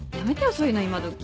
そういうの今どき。